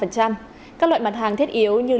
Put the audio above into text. các loại mặt hàng thiết yếu như